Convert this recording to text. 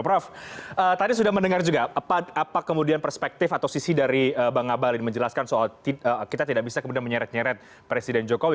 prof tadi sudah mendengar juga apa kemudian perspektif atau sisi dari bang abalin menjelaskan soal kita tidak bisa kemudian menyeret nyeret presiden jokowi